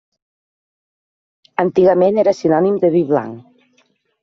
Antigament era sinònim de vi blanc.